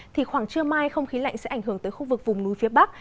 thì khoảng trưa mai không khí lạnh sẽ ảnh hưởng tới khu vực vùng núi phía bắc